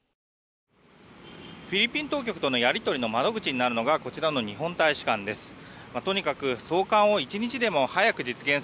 フィリピン当局とのやり取りの窓口となるのがこちらの日本大使館です。